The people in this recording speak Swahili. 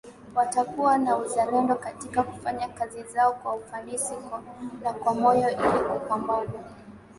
watakuwa na uzalendo katika kufanya kazi zao kwa ufanisi na kwa moyo ili kupambana